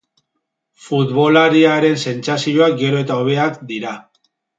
Futbolariaren sentsazioak gero eta hobeak dira.